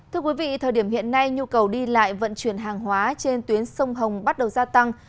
thưa quý vị thời điểm hiện nay nhu cầu đi lại vận chuyển hàng hóa trên tuyến sông hồng bắt đầu gia tăng